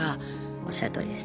おっしゃるとおりです。